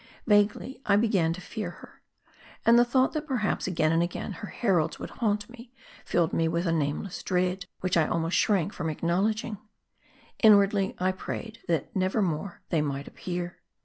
Vaguely I began to fear her. And the thought, that perhaps again and again, her heralds would haunt me, filled me with a nameless dread, which I almost shrank from acknowledging. Inwardly I prayed, that never more they might appear.